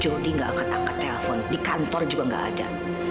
jodi gak akan angkat telpon di kantor juga gak ada